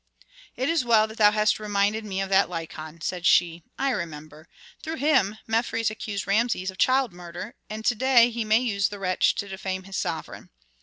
"It is well that thou hast reminded me of that Lykon," said she. "I remember. Through him Mefres accused Rameses of child murder, and to day he may use the wretch to defame his sovereign.